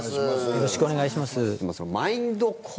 よろしくお願いします。